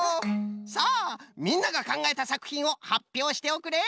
さあみんながかんがえたさくひんをはっぴょうしておくれ！